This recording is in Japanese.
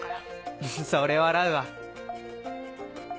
フフそれ笑うわ。